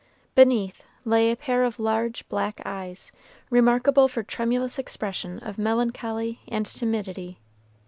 Beneath, lay a pair of large black eyes, remarkable for tremulous expression of melancholy and timidity.